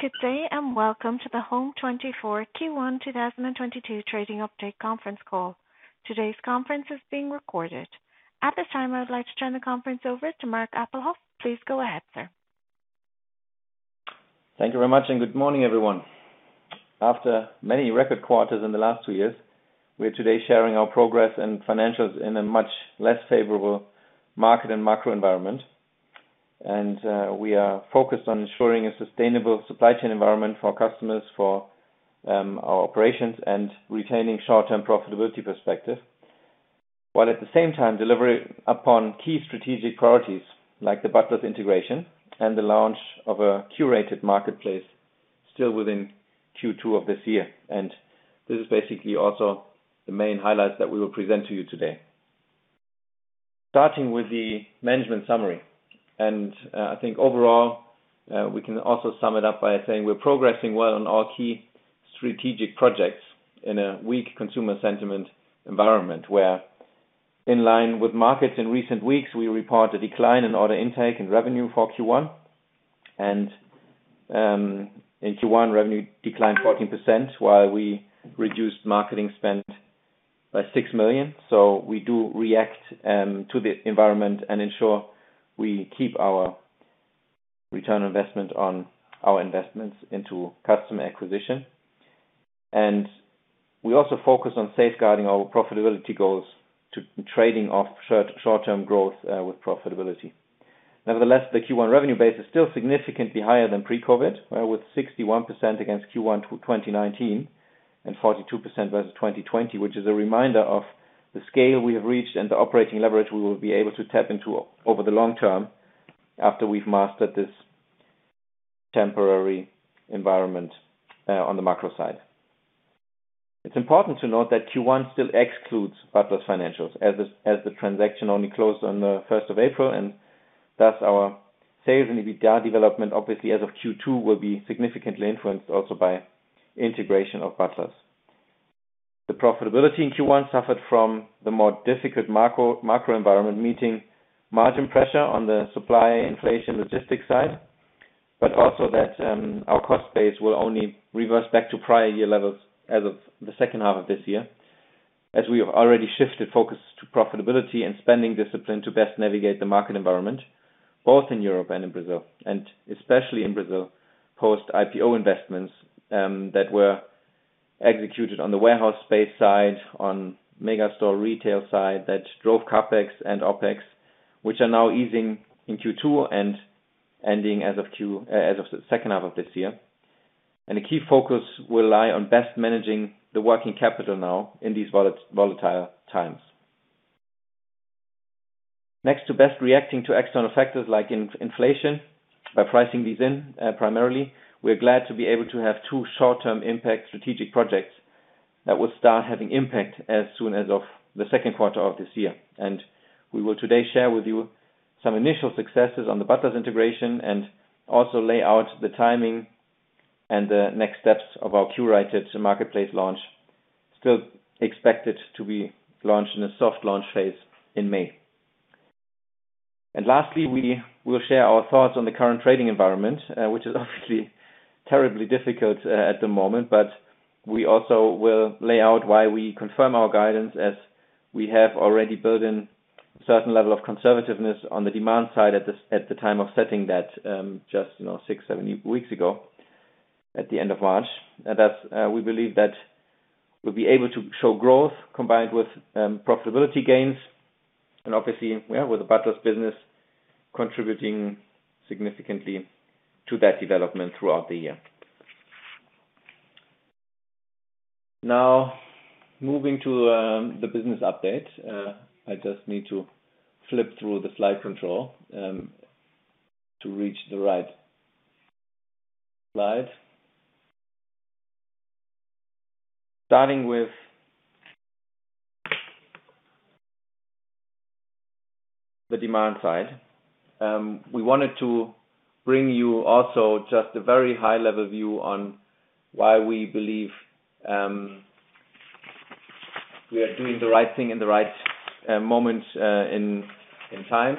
Good day and welcome to the Home24 Q1 2022 Trading Update Conference Call. Today's conference is being recorded. At this time, I would like to turn the conference over to Marc Appelhoff. Please go ahead, sir. Thank you very much, and good morning, everyone. After many record quarters in the last two years, we are today sharing our progress and financials in a much less favorable market and macro environment. We are focused on ensuring a sustainable supply chain environment for our customers, for our operations and retaining short-term profitability perspective. While at the same time, delivering upon key strategic priorities like the Butlers integration and the launch of a curated marketplace still within Q2 of this year. This is basically also the main highlights that we will present to you today. Starting with the management summary, I think overall, we can also sum it up by saying we're progressing well on our key strategic projects in a weak consumer sentiment environment, where in line with markets in recent weeks, we report a decline in order intake and revenue for Q1. In Q1, revenue declined 14% while we reduced marketing spend by 6 million. We do react to the environment and ensure we keep our return on investment on our investments into customer acquisition. We also focus on safeguarding our profitability goals to trading off short-term growth with profitability. Nevertheless, the Q1 revenue base is still significantly higher than pre-COVID, with 61% against Q1 2019 and 42% versus 2020, which is a reminder of the scale we have reached and the operating leverage we will be able to tap into over the long term after we've mastered this temporary environment, on the macro side. It's important to note that Q1 still excludes Butlers’ financials as the transaction only closed on the April 1, and thus our sales and EBITDA development obviously as of Q2 will be significantly influenced also by integration of Butlers. The profitability in Q1 suffered from the more difficult macro environment, meaning margin pressure on the supply inflation logistics side. Also that, our cost base will only reverse back to prior year levels as of the H2 of this year, as we have already shifted focus to profitability and spending discipline to best navigate the market environment, both in Europe and in Brazil. Especially in Brazil, post IPO investments, that were executed on the warehouse space side, on mega store retail side that drove CapEx and OpEx, which are now easing in Q2 and ending as of H2 of this year. A key focus will lie on best managing the working capital now in these volatile times. In addition to best reacting to external factors like inflation by pricing these in, primarily, we are glad to be able to have two short-term, high-impact strategic projects that will start having impact as of the Q2 of this year. We will today share with you some initial successes on the Butlers integration and also lay out the timing and the next steps of our curated marketplace launch, still expected to be launched in a soft launch phase in May. Lastly, we will share our thoughts on the current trading environment, which is obviously terribly difficult at the moment, but we also will lay out why we confirm our guidance as we have already built in certain level of conservativeness on the demand side at the time of setting that, just, six to seven weeks ago at the end of March. That's we believe that we'll be able to show growth combined with profitability gains and obviously, with the Butlers business contributing significantly to that development throughout the year. Now, moving to the business update. I just need to flip through the slide control to reach the right slide. Starting with the demand side. We wanted to bring you also just a very high level view on why we believe we are doing the right thing in the right moment in time.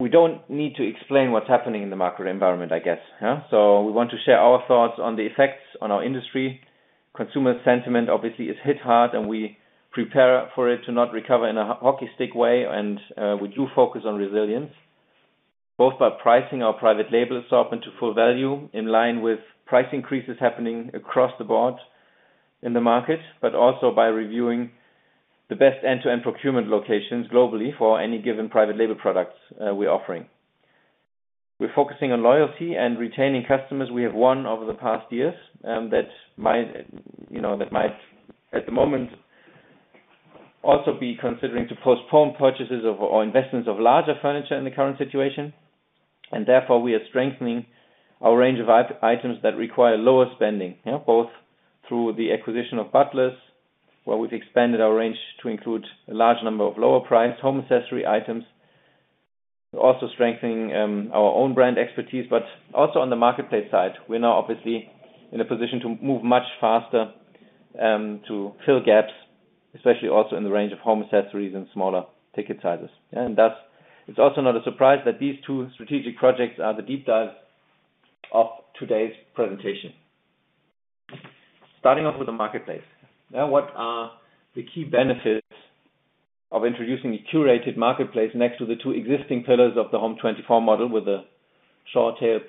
We don't need to explain what's happening in the macro environment, I guess, yeah. We want to share our thoughts on the effects on our industry. Consumer sentiment obviously is hit hard and we prepare for it to not recover in a hockey stick way and we do focus on resilience. Both by pricing our private label softly into full value in line with price increases happening across the board in the market. But also by reviewing the best end-to-end procurement locations globally for any given private label products we're offering. We're focusing on loyalty and retaining customers we have won over the past years, that might, at the moment also be considering to postpone purchases of or investments in larger furniture in the current situation. Therefore, we are strengthening our range of entry-level items that require lower spending. Both through the acquisition of Butlers, where we've expanded our range to include a large number of lower-priced home accessory items. We're also strengthening our own-brand expertise, but also on the marketplace side. We're now obviously in a position to move much faster to fill gaps, especially also in the range of home accessories and smaller-ticket sizes. Thus, it's also not a surprise that these two strategic projects are the deep dive of today's presentation. Starting off with the marketplace. Now, what are the key benefits of introducing a curated marketplace next to the two existing pillars of the Home24 model with a short tail,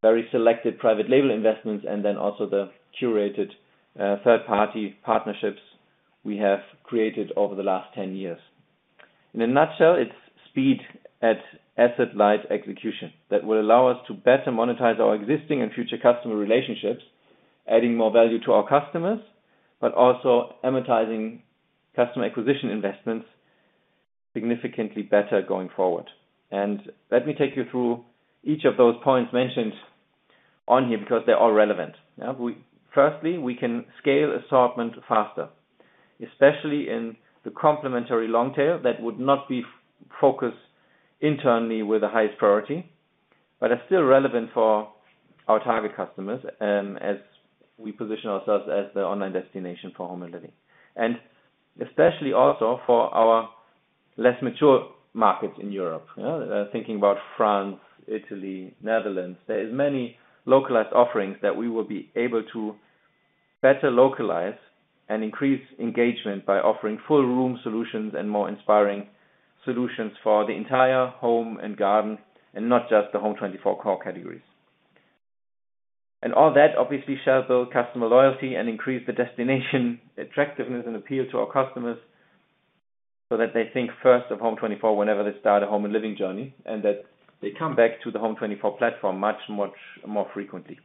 very selected private label investments, and then also the curated, third-party partnerships we have created over the last 10 years? In a nutshell, it's speed at asset-light execution that will allow us to better monetize our existing and future customer relationships, adding more value to our customers, but also amortizing customer acquisition investments significantly better going forward. Let me take you through each of those points mentioned on here because they're all relevant. Now, firstly, we can scale assortment faster, especially in the complementary long tail that would not be focused internally with the highest priority, but are still relevant for our target customers, as we position ourselves as the online destination for home and living. Especially also for our less mature markets in Europe. Thinking about France, Italy, Netherlands. There is many localized offerings that we will be able to better localize and increase engagement by offering full room solutions and more inspiring solutions for the entire home and garden, and not just the Home24 core categories. All that obviously shall build customer loyalty and increase the destination attractiveness and appeal to our customers, so that they think first of Home24 whenever they start a home and living journey, and that they come back to the Home24 platform much, much more frequently.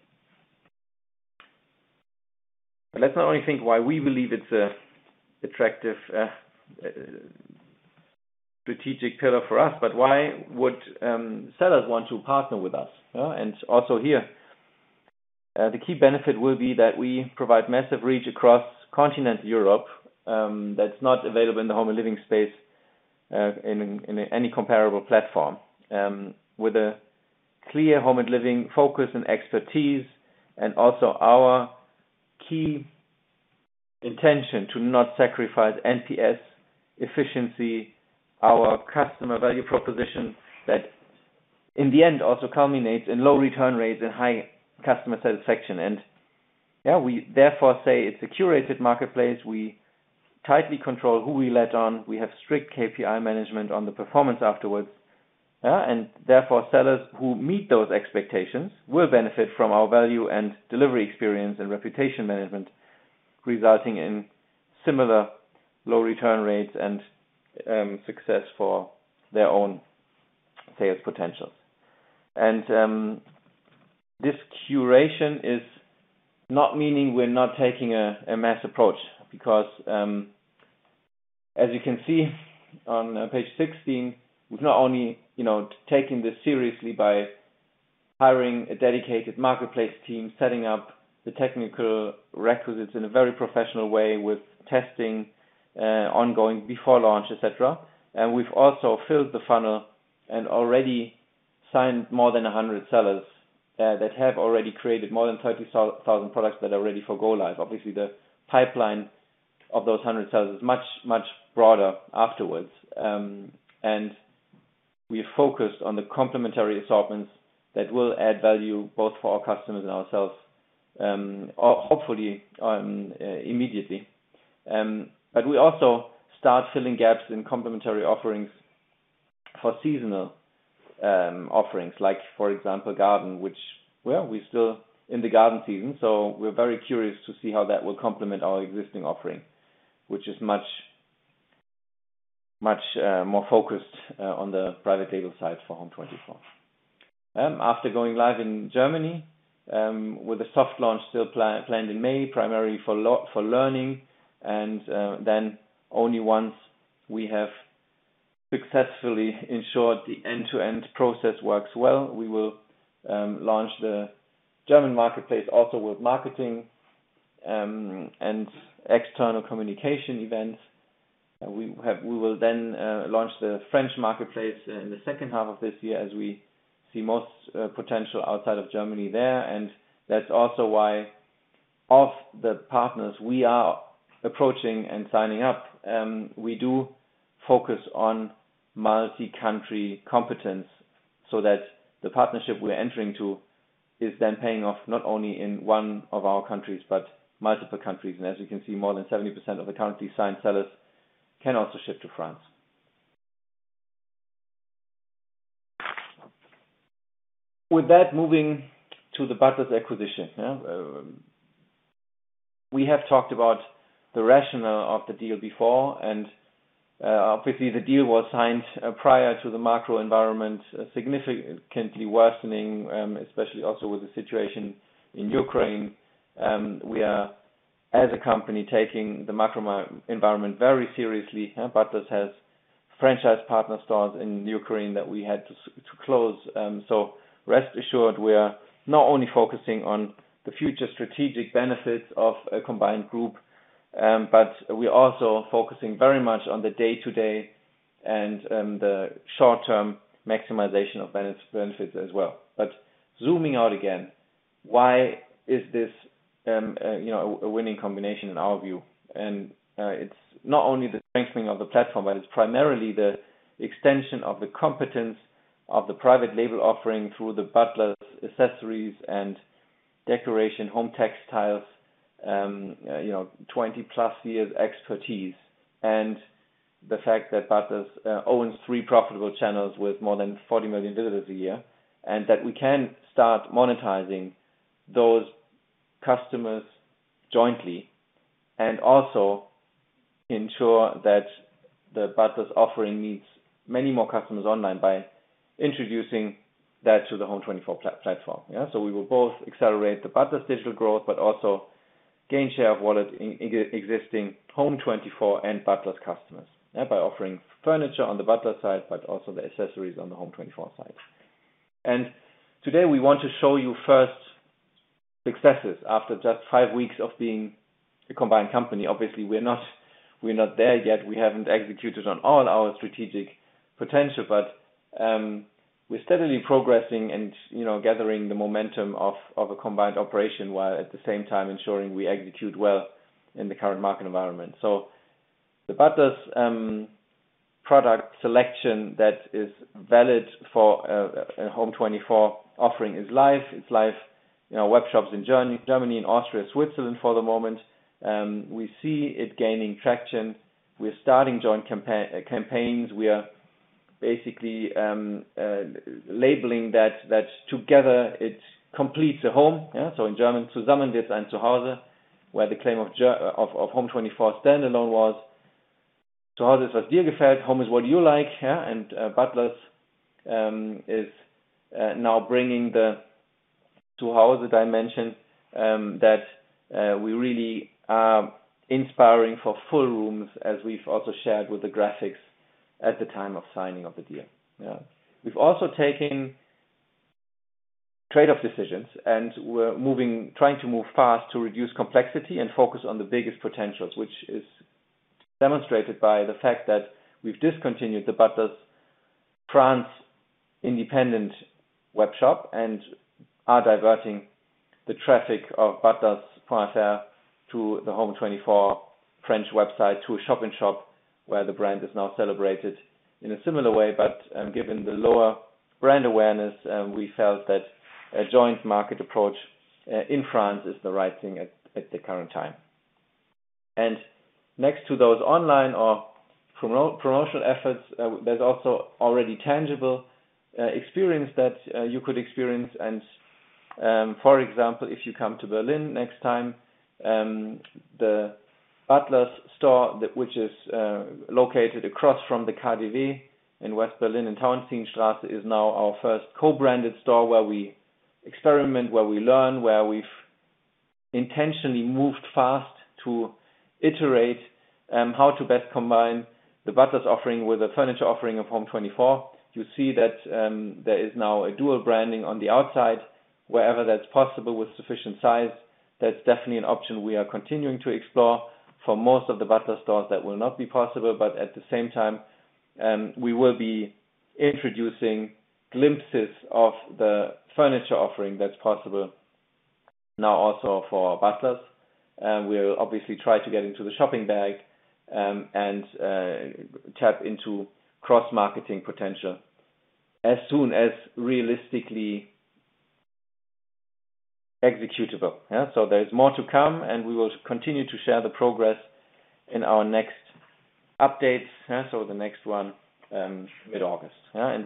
Let's not only think why we believe it's attractive strategic pillar for us, but why would sellers want to partner with us, yeah? Also here, the key benefit will be that we provide massive reach across continental Europe, that's not available in the home and living space, in any comparable platform. With a clear home and living focus and expertise, and also our key intention to not sacrifice NPS efficiency, our customer value proposition that in the end also culminates in low return rates and high customer satisfaction. Yeah, we therefore say it's a curated marketplace. We tightly control who we let on. We have strict KPI management on the performance afterwards. And therefore, sellers who meet those expectations will benefit from our value and delivery experience and reputation management, resulting in similar low return rates and success for their own sales potentials. This curation is not meaning we're not taking a mass approach because, as you can see on page 16, we've not only, taking this seriously by hiring a dedicated marketplace team, setting up the technical requisites in a very professional way with testing ongoing before launch, et cetera. We've also filled the funnel and already signed more than 100 sellers that have already created more than 30,000 products that are ready for go live. Obviously, the pipeline of those 100 sellers is much broader afterwards. We focus on the complementary assortments that will add value both for our customers and ourselves, or hopefully, immediately. We also start filling gaps in complementary offerings for seasonal offerings like for example, garden, which, well, we're still in the garden season, so we're very curious to see how that will complement our existing offering, which is much more focused on the private label side for Home24. After going live in Germany with a soft launch still planned in May, primarily for learning and then only once we have successfully ensured the end-to-end process works well, we will launch the German marketplace also with marketing and external communication events. We will then launch the French marketplace in the second half of this year as we see most potential outside of Germany there. That's also why of the partners we are approaching and signing up, we do focus on multi-country competence so that the partnership we're entering to is then paying off not only in one of our countries, but multiple countries. As you can see, more than 70% of the currently signed sellers can also ship to France. With that, moving to the Butlers acquisition. We have talked about the rationale of the deal before, and obviously the deal was signed prior to the macro environment significantly worsening, especially also with the situation in Ukraine. We are, as a company, taking the macro environment very seriously. Butlers has franchise partner stores in Ukraine that we had to to close. Rest assured, we are not only focusing on the future strategic benefits of a combined group, but we also focusing very much on the day-to-day and, the short term maximization of benefits as well. Zooming out again, why is this, a winning combination in our view? It's not only the strengthening of the platform, but it's primarily the extension of the competence of the private label offering through the Butlers accessories and decoration home textiles. 20+ years expertise, and the fact that Butlers owns three profitable channels with more than 40 million visitors a year, and that we can start monetizing those customers jointly and also ensure that the Butlers offering meets many more customers online by introducing that to the Home24 platform. We will both accelerate the Butlers’ digital growth, but also gain share of wallet in existing Home24 and Butlers customers, yeah, by offering furniture on the Butlers side, but also the accessories on the Home24 side. Today we want to show you first successes after just five weeks of being a combined company. Obviously, we're not there yet. We haven't executed on all our strategic potential, but we're steadily progressing and, you know, gathering the momentum of a combined operation, while at the same time ensuring we execute well in the current market environment. The Butlers product selection that is valid for Home24 offering is live. It's live, webshops in Germany and Austria, Switzerland for the moment. We see it gaining traction. We're starting joint campaigns. We are basically labeling that together it completes a home. Yeah. In German, "home" is what you like. Yeah. Butlers is now bringing the home dimension that we really are inspiring for full rooms, as we've also shared with the graphics at the time of signing of the deal. Yeah. We've also taken trade-off decisions, and we're trying to move fast to reduce complexity and focus on the biggest potentials, which is demonstrated by the fact that we've discontinued the Butlers France independent webshop and are diverting the traffic of Butlers France to the Home24 French website, to a shop-in-shop, where the brand is now celebrated in a similar way. Given the lower brand awareness, we felt that a joint market approach in France is the right thing at the current time. Next to those online or promotional efforts, there's also already tangible experience that you could experience and, for example, if you come to Berlin next time, the Butlers store, which is located across from the KaDeWe in West Berlin in Tauentzienstraße, is now our first co-branded store where we experiment, where we learn, where we've intentionally moved fast to iterate how to best combine the Butlers offering with the furniture offering of Home24. You see that there is now a dual branding on the outside wherever that's possible with sufficient size. That's definitely an option we are continuing to explore. For most of the Butlers stores, that will not be possible, but at the same time, we will be introducing glimpses of the furniture offering that's possible now also for Butlers. We'll obviously try to get into the shopping bag, and tap into cross-marketing potential as soon as realistically executable. There is more to come, and we will continue to share the progress in our next updates. The next one, mid-August.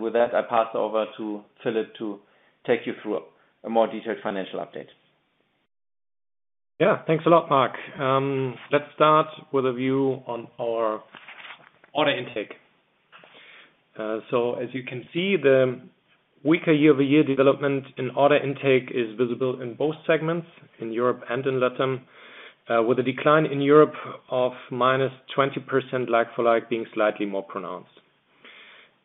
With that, I pass over to Philipp to take you through a more detailed financial update. Thanks a lot, Marc. Let's start with a view on our order intake. As you can see, the weaker year-over-year development in order intake is visible in both segments in Europe and in LATAM, with a decline in Europe of approximately 20% like for like being slightly more pronounced.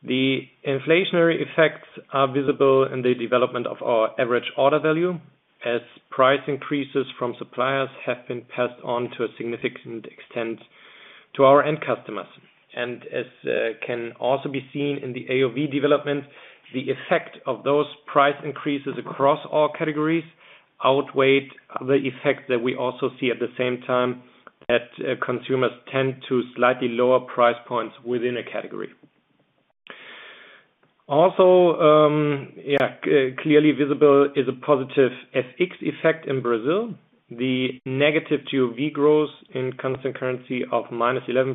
The inflationary effects are visible in the development of our average order value, as price increases from suppliers have been passed on to a significant extent to our end customers. As can also be seen in the AOV development, the effect of those price increases across all categories outweighed the effect that we also see at the same time that consumers tend to slightly lower price points within a category. Also, clearly visible is a positive FX effect in Brazil. The negative GOV growth in constant currency of 11%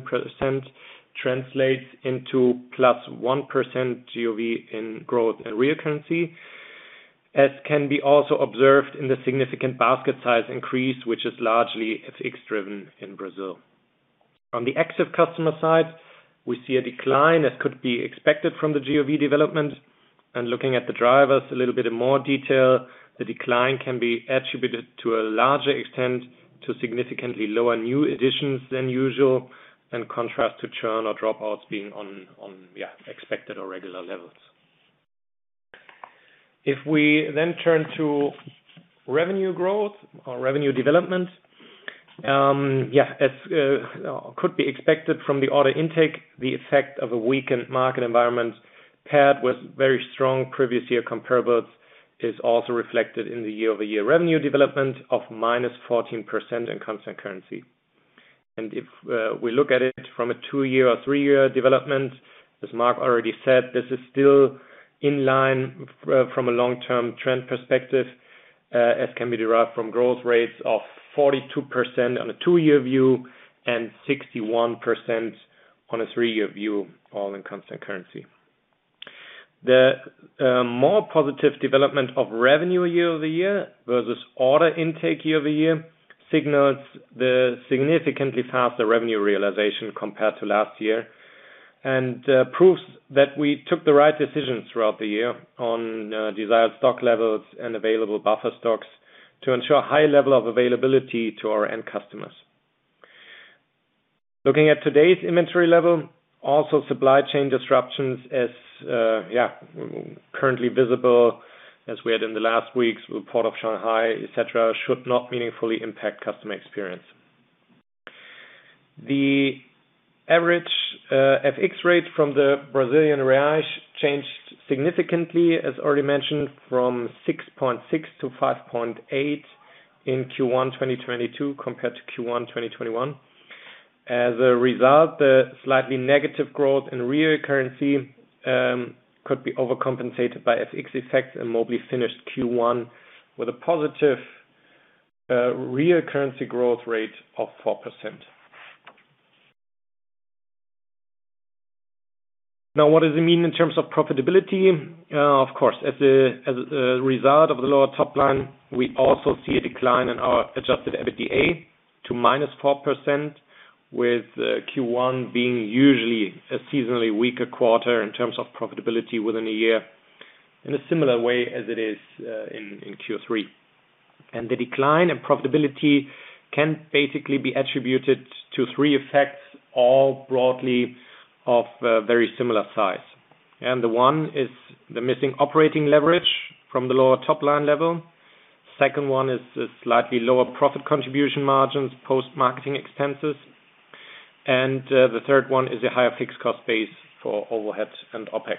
translates into positive GOV growth of 1% in real currency, as can be also observed in the significant basket size increase, which is largely FX-driven in Brazil. On the active customer side, we see a decline that could be expected from the GOV development. Looking at the drivers a little bit in more detail, the decline can be attributed to a larger extent to significantly lower new additions than usual, and in contrast to churn or dropouts being on expected or regular levels. If we then turn to revenue growth or revenue development, as could be expected from the order intake, the effect of a weakened market environment paired with very strong previous year comparables is also reflected in the year-over-year revenue development of negative 14% in constant currency. If we look at it from a two-year or three-year development, as Marc already said, this is still in line from a long-term trend perspective, as can be derived from growth rates of 42% on a two-year view and 61% on a three-year view, all in constant currency. The more positive development of revenue year-over-year versus order intake year-over-year signals the significantly faster revenue realization compared to last year, and proves that we took the right decisions throughout the year on desired stock levels and available buffer stocks to ensure high level of availability to our end customers. Looking at today's inventory level, also supply chain disruptions as currently visible as we had in the last weeks with Port of Shanghai, et cetera, should not meaningfully impact customer experience. The average FX rate from the Brazilian real changed significantly, as already mentioned, from 6.6 to 5.8 in Q1 2022 compared to Q1 2021. As a result, the slightly negative growth in real currency could be overcompensated by FX effects, and Mobly finished Q1 with a positive real currency growth rate of 4%. Now, what does it mean in terms of profitability? Of course, as a result of the lower top line, we also see a decline in our adjusted EBITDA to negative 4%, with Q1 being usually a seasonally weaker quarter in terms of profitability within a year, in a similar way as it is in Q3. The decline in profitability can basically be attributed to three effects, all broadly of a very similar size. The one is the missing operating leverage from the lower top-line level. Second one is the slightly lower profit contribution margins, post-marketing expenses. The third one is the higher fixed cost base for overheads and OpEx.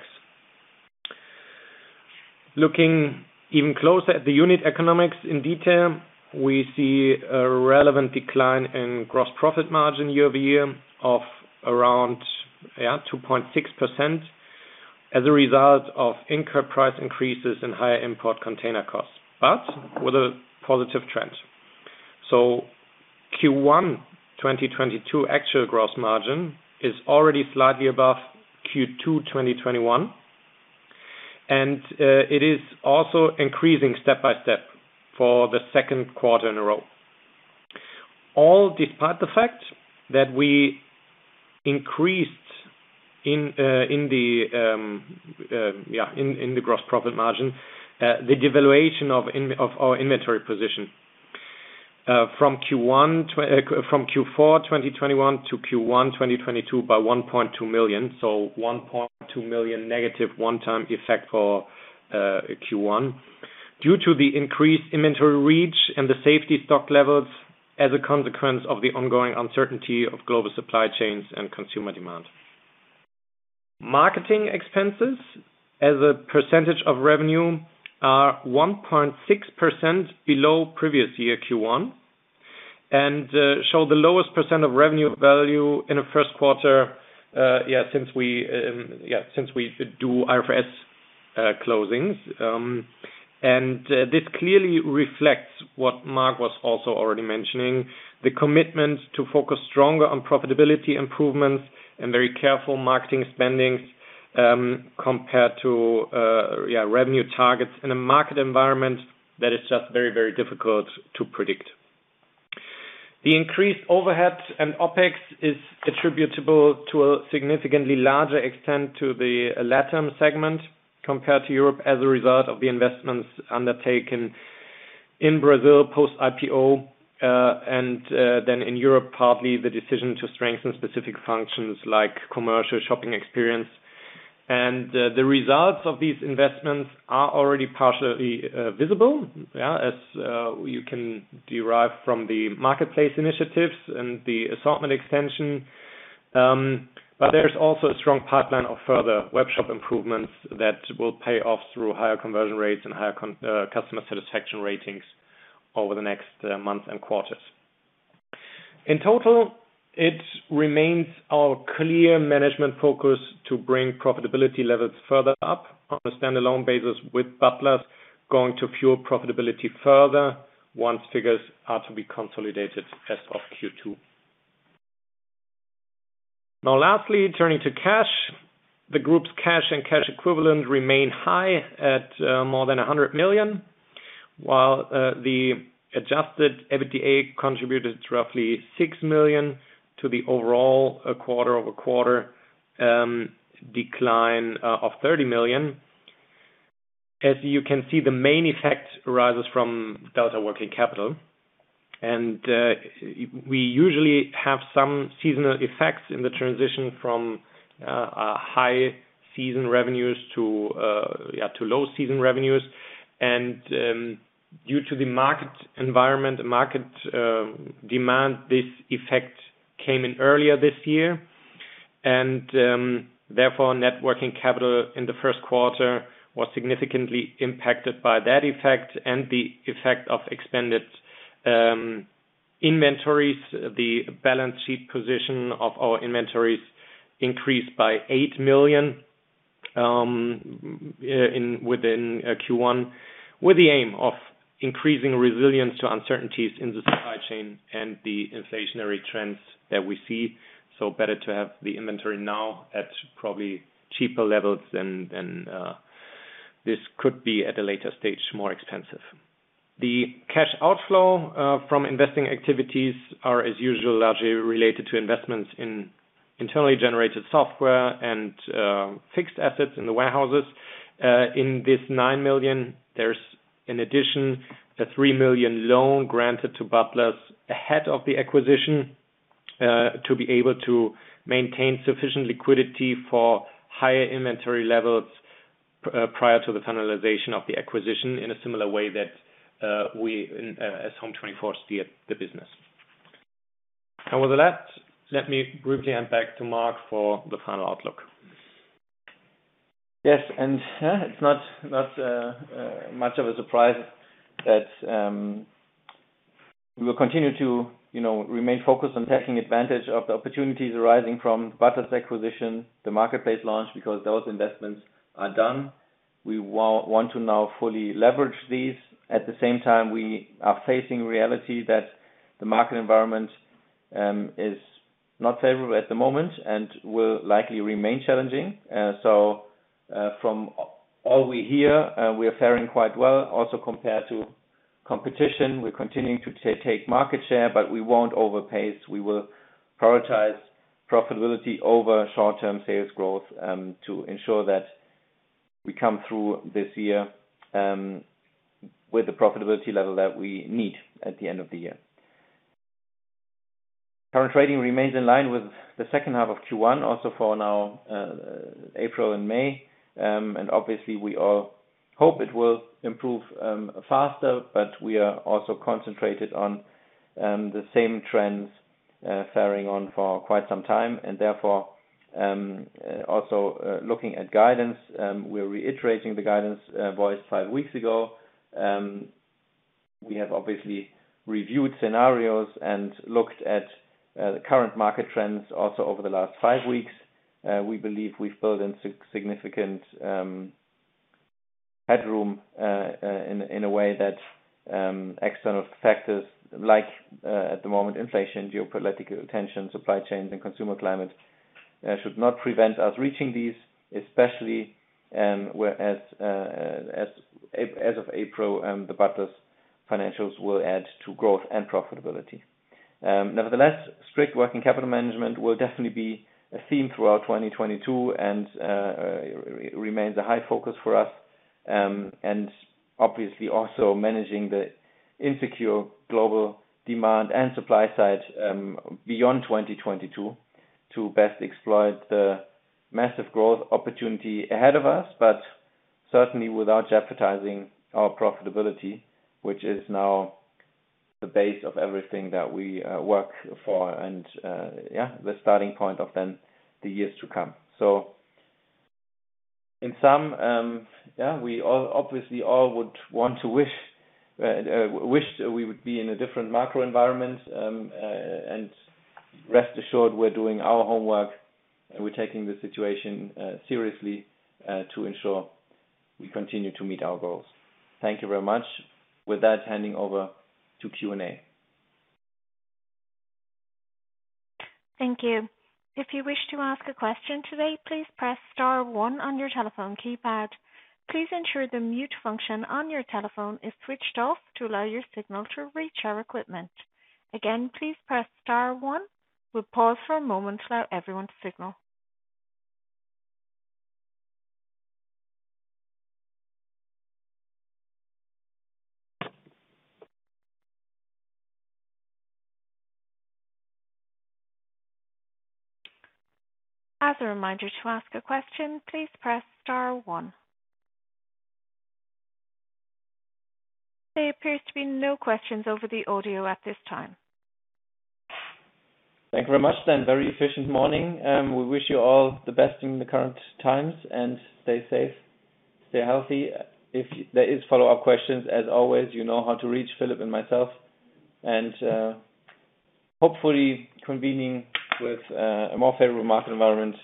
Looking even closer at the unit economics in detail, we see a relevant decline in gross profit margin year-over-year of around 2.6% as a result of incurred price increases and higher import container costs, but with a positive trend. Q1 2022 actual gross margin is already slightly above Q2 2021, and it is also increasing step by step for the Q2 in a row. Despite the fact that we increased in the gross profit margin, the devaluation of our inventory position from Q4 2021 to Q1 2022 by 1.2 million, so 1.2 million negative one-time effect for Q1, due to the increased inventory reach and the safety stock levels as a consequence of the ongoing uncertainty of global supply chains and consumer demand. Marketing expenses as a percentage of revenue are 1.6% below previous year Q1 and show the lowest % of revenue value in the Q1 since we do IFRS closings. This clearly reflects what Marc was also already mentioning, the commitment to focus stronger on profitability improvements and very careful marketing spendings, compared to yeah revenue targets in a market environment that is just very, very difficult to predict. The increased overheads and OpEx is attributable to a significantly larger extent to the LatAm segment compared to Europe as a result of the investments undertaken in Brazil post-IPO, and then in Europe, partly the decision to strengthen specific functions like commercial shopping experience. The results of these investments are already partially visible, yeah, as you can derive from the marketplace initiatives and the assortment extension. There's also a strong pipeline of further webshop improvements that will pay off through higher conversion rates and higher customer satisfaction ratings over the next months and quarters. In total, it remains our clear management focus to bring profitability levels further up on a standalone basis, with Butlers going to fuel profitability further once figures are to be consolidated as of Q2. Now lastly, turning to cash. The group's cash and cash equivalent remain high at more than 100 million, while the adjusted EBITDA contributed roughly 6 million to the overall quarter-over-quarter decline of 30 million. As you can see, the main effect arises from delta working capital. We usually have some seasonal effects in the transition from a high season revenues to low season revenues. Due to the market environment, the market demand, this effect came in earlier this year. Therefore, net working capital in the first quarter was significantly impacted by that effect and the effect of expanded inventories. The balance sheet position of our inventories increased by 8 million within Q1, with the aim of increasing resilience to uncertainties in the supply chain and the inflationary trends that we see. Better to have the inventory now at probably cheaper levels than this could be at a later stage, more expensive. The cash outflow from investing activities are, as usual, largely related to investments in internally generated software and fixed assets in the warehouses. In this 9 million, there's an addition, a 3 million loan granted to Butlers ahead of the acquisition to be able to maintain sufficient liquidity for higher inventory levels prior to the finalization of the acquisition, in a similar way that we as Home24 steer the business. With that, let me briefly hand back to Marc for the final outlook. Yes, it's not much of a surprise that we will continue to, remain focused on taking advantage of the opportunities arising from Butlers acquisition, the marketplace launch, because those investments are done. We want to now fully leverage these. At the same time, we are facing reality that the market environment is not favorable at the moment and will likely remain challenging. From all we hear, we are faring quite well, also compared to competition. We're continuing to take market share, but we won't overpace. We will prioritize profitability over short-term sales growth, to ensure that we come through this year, with the profitability level that we need at the end of the year. Current trading remains in line with the H2 of Q1, also for now, April and May. Obviously, we all hope it will improve faster, but we are also concentrated on the same trends bearing on for quite some time. Therefore, also looking at guidance, we're reiterating the guidance voiced five weeks ago. We have obviously reviewed scenarios and looked at the current market trends also over the last five weeks. We believe we've built in significant headroom in a way that external factors like at the moment, inflation, geopolitical tension, supply chains, and consumer climate should not prevent us reaching these, especially as of April, the Butlers financials will add to growth and profitability. Nevertheless, strict working capital management will definitely be a theme throughout 2022 and remains a high focus for us. Obviously also managing the insecure global demand and supply side, beyond 2022 to best exploit the massive growth opportunity ahead of us. Certainly without jeopardizing our profitability, which is now the base of everything that we work for and yeah, the starting point of then the years to come. In sum, yeah, we all obviously all would want to wish we would be in a different macro environment, and rest assured we're doing our homework and we're taking the situation seriously to ensure we continue to meet our goals. Thank you very much. With that, handing over to Q&A. Thank you. If you wish to ask a question today, please press star one on your telephone keypad. Please ensure the mute function on your telephone is switched off to allow your signal to reach our equipment. Again, please press star one. We'll pause for a moment to allow everyone to signal. As a reminder to ask a question, please press star one. There appears to be no questions over the audio at this time. Thank you very much, then. Very efficient morning. We wish you all the best in the current times, and stay safe, stay healthy. If there is follow-up questions, as always, you know how to reach Philipp and myself. Hopefully convening with a more favorable market environment,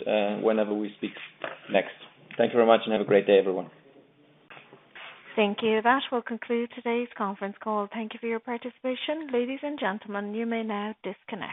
whenever we speak next. Thank you very much, and have a great day, everyone. Thank you. That will conclude today's conference call. Thank you for your participation. Ladies and gentlemen, you may now disconnect.